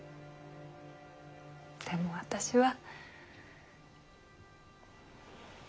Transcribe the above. でも私は。